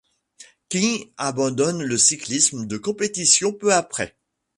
King abandonne le cyclisme de compétition peu après.